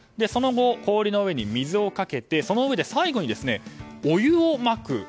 その後、氷の上に水をかけて最後にお湯をまく。